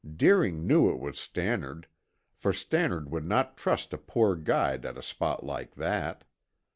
Deering knew it was Stannard, for Stannard would not trust a poor guide at a spot like that.